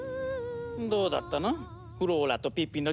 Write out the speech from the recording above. どうだったの？